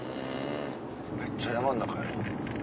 めっちゃ山ん中入る。